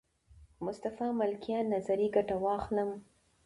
مصطفی ملکیان نظریې ګټه واخلم.